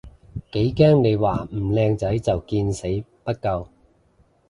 幾驚你話唔靚仔就見死不救